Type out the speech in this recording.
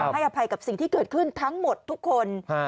ให้อภัยกับสิ่งที่เกิดขึ้นทั้งหมดทุกคน